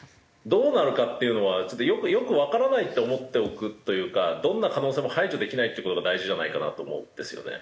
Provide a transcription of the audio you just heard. どうなるかっていうのはちょっとよくわからないって思っておくというかどんな可能性も排除できないっていう事が大事じゃないかなと思うんですよね。